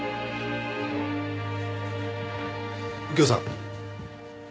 右京さん。